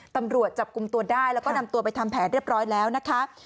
ตำรวจจับกลุ่มตัวได้แล้วก็นำตัวไปทำแผนเรียบร้อยแล้วนะคะ